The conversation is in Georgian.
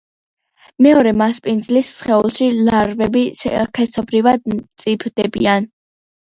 მეორე „მასპინძლის“ სხეულში ლარვები სქესობრივად მწიფდებიან.